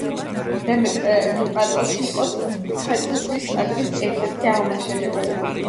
დემეტრე ვიპატოსი იყო მცხეთის ჯვრის ტაძრის ერთ-ერთი აღმაშენებელი.